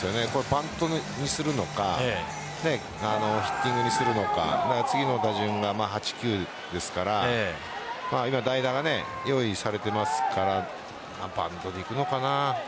バントにするのかヒッティングにするのか次の打順が８、９ですから今、代打が用意されていますからバントで行くのかな。